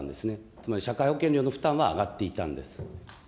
つまり社会保険料の負担は上がっていたんです。